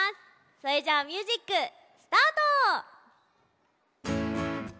それじゃあミュージックスタート！